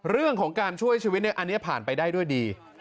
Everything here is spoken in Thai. เรื่องของการช่วยชีวิตอันนี้ผ่านไปได้ด้วยดี